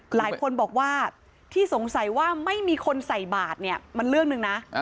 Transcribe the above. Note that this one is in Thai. หลายคนบอกว่าที่สงสัยว่าไม่มีคนใส่บาทเนี่ยมันเรื่องหนึ่งนะ